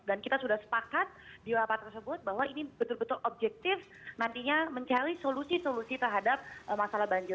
dan kita sudah sepakat di rapat tersebut bahwa ini betul betul objektif nantinya mencari solusi solusi terhadap masalah banjir